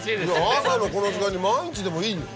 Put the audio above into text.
朝のこの時間に毎日でもいいのよ。